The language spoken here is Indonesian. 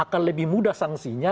akan lebih mudah sanksinya